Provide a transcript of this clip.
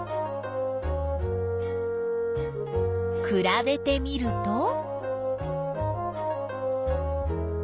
くらべてみると？